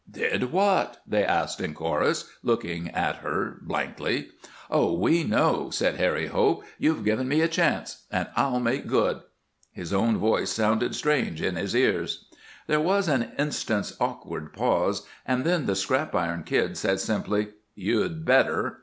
"Did what?" they asked in chorus, looking at her blankly. "Oh, we know," said Harry Hope. "You've given me a chance and I'll make good!" His own voice sounded strange in his ears. There was an instant's awkward pause, and then the Scrap Iron Kid said, simply, "You'd better!"